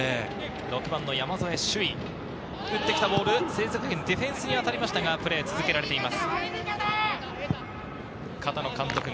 ６番・山副朱生、打って来たボール、成立学園ディフェンスに当たりましたが、プレーが続けられています。